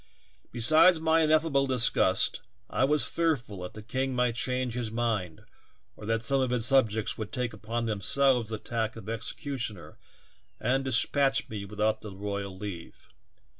Besides my ineffable disgust I was fearful that the king might change his mind or that some of his subjects would take upon themselves the task of executioner and despatch me without the royal leave.